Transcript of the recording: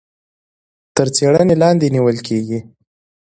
تر څيړنې لاندي نيول کېږي.